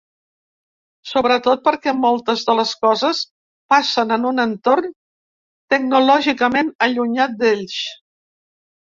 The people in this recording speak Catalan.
Sobretot perquè moltes de les coses passen en un entorn tecnològicament allunyat d’ells.